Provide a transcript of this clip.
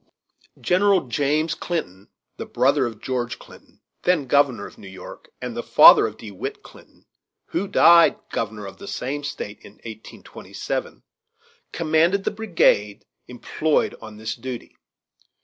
General James Clinton, the brother of George Clinton, then governor of New York, and the father of De Witt Clinton, who died governor of the same State in 1827, commanded the brigade employed on this duty.